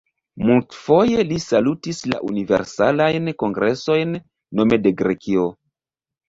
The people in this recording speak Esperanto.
Multfoje li salutis la Universalajn Kongresojn nome de Grekio.